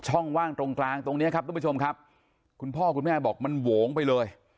ว่างตรงกลางตรงเนี้ยครับทุกผู้ชมครับคุณพ่อคุณแม่บอกมันโหงไปเลย